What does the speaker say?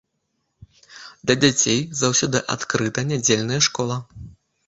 Для дзяцей заўсёды адкрыта нядзельная школа.